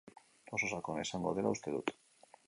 Oso sakona izango dela uste dut.